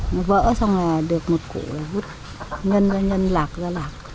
nó vỡ xong rồi được một cụ vút nhân ra nhân lạc ra lạc